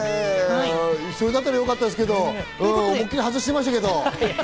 それだったらよかったですけど、思い切り外しましたけど。